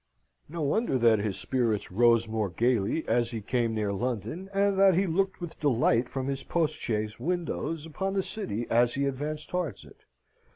No wonder that his spirits rose more gaily as he came near London, and that he looked with delight from his postchaise windows upon the city as he advanced towards it.